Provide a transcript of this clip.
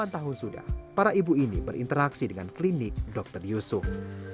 delapan tahun sudah para ibu ini berinteraksi dengan klinik dr yusuf